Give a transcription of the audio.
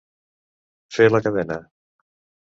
Fer la cadena.